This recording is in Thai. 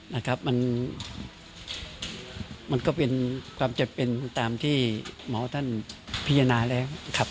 นะครับมันมันก็เป็นความจำเป็นตามที่หมอท่านพิจารณาแล้วครับ